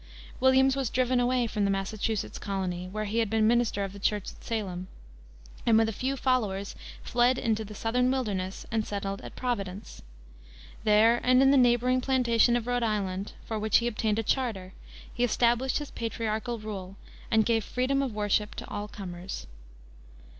Williams was driven away from the Massachusetts colony where he had been minister of the Church at Salem and with a few followers fled into the southern wilderness, and settled at Providence. There and in the neighboring plantation of Rhode Island, for which he obtained a charter, he established his patriarchal rule, and gave freedom of worship to all comers.